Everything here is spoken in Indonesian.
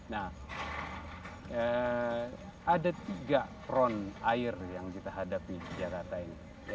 nah ada tiga peron air yang kita hadapi di jakarta ini